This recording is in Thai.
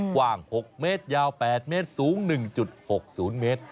กว้าง๖เมตรยาว๘เมตรสูง๑๖๐เมตร